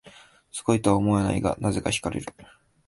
すごいとは思わないが、なぜか惹かれる